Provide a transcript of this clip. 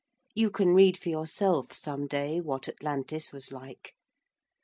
You can read for yourself, some day, what Atlantis was like.